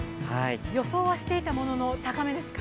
予想はしていたものの高めですか？